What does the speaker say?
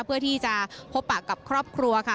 เพื่อที่จะพบปะกับครอบครัวค่ะ